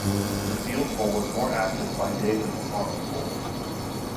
The field vole is more active by day than the common vole.